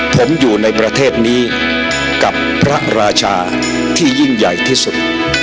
ผมอยู่ในประเทศนี้กับพระราชาที่ยิ่งใหญ่ที่สุด